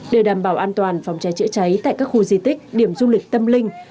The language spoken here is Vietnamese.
để đảm bảo an toàn phòng cháy chữa cháy tại các khu di tích điểm du lịch tâm linh